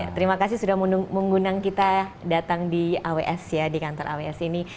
terima kasih sudah mengundang kita datang di aws ya di kantor aws ini